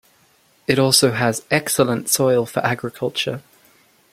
It also had excellent soil for agriculture.